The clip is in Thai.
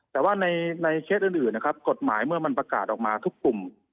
แต่ว่าในเคสอื่นนะครับกฎหมายเมื่อมันประกาศออกมาทุกกลุ่ม